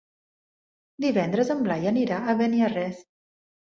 Divendres en Blai anirà a Beniarrés.